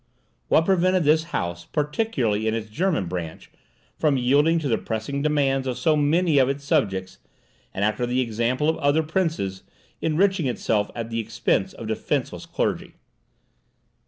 What prevented this house, particularly in its German branch, from yielding to the pressing demands of so many of its subjects, and, after the example of other princes, enriching itself at the expense of a defenceless clergy?